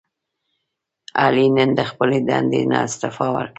علي نن د خپلې دندې نه استعفا ورکړه.